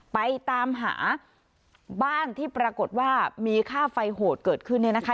ไปตามหาบ้านที่ปรากฏว่ามีค่าไฟโหดเกิดขึ้นเนี่ยนะคะ